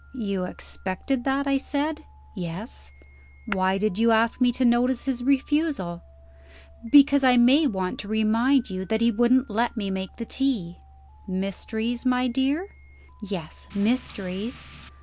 "You expected that?" I said. "Yes." "Why did you ask me to notice his refusal?" "Because I may want to remind you that he wouldn't let me make the tea." "Mysteries, my dear?" "Yes: mysteries."